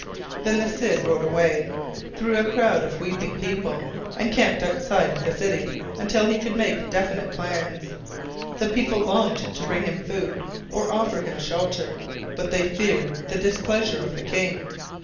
Then the Cid rode away, through a crowd of weeping people, and camped outside of the city until he could make definite plans. The people longed to bring him food or offer him shelter, but they feared the displeasure of the king.